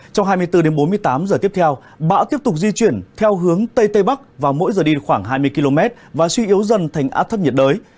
trong hai mươi bốn h đến bốn mươi tám h tiếp theo bão tiếp tục di chuyển theo hướng tây tây bắc và mỗi giờ đi được khoảng hai mươi km và suy yếu dần thành át thấp nhiệt đới